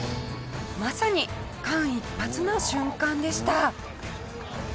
まさに間一髪の瞬間でした。